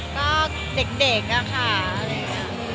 ขอบคุณครับ